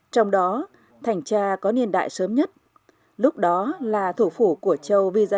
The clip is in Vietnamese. trong đó thành cha có niên đại sớm nhất lúc đó là thủ phủ của châu visaya